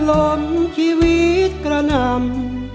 ลงทุนด้วยความไม่พอ